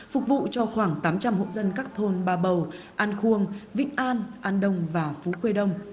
phục vụ cho khoảng tám trăm linh hộ dân các thôn ba bầu an khuông vĩnh an an đông và phú quy đông